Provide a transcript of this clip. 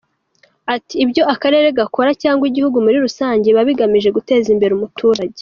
Ati “Ibyo akarere gakora cyangwa igihugu muri rusange biba bigamije guteza imbere umuturage.